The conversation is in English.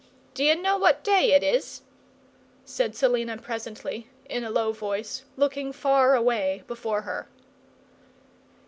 "D'you know what day it is?" said Selina presently, in a low voice, looking far away before her.